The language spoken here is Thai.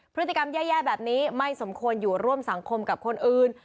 พฤติกรรมแย่แบบนี้ไม่สมควรอยู่ร่วมสังคมกับคนอื่น